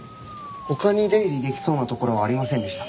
他に出入りできそうな所はありませんでした。